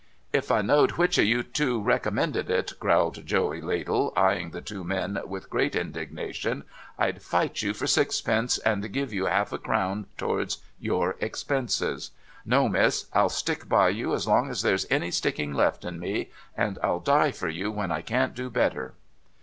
' If I know'd which o' you two recommended it,' growled Joey Ladle, eyeing the two men with great indignation, ' I'd fight you for sixpence, and give you half a crown towards your expenses. No, Miss. I'll stick by you as long as there's any sticking left in me, and I'll die for you when I can't do better.'